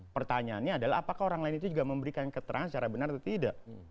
pertanyaannya adalah apakah orang lain itu juga memberikan keterangan secara benar atau tidak